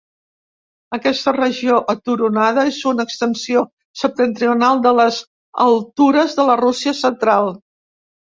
Aquesta regió aturonada és una extensió septentrional de les Altures de la Rússia Central.